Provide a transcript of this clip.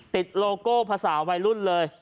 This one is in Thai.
โลโก้ภาษาวัยรุ่นเลย